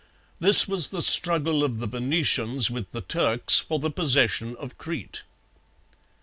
This was the struggle of the Venetians with the Turks for the possession of Crete.